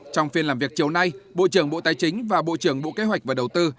trong phiên làm việc chiều nay bộ trưởng bộ tài chính và bộ trưởng bộ kế hoạch và đầu tư